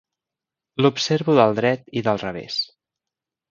L'observo del dret i del revés.